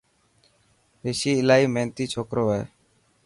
رشي الاهي ميهنتي ڇوڪرو هي.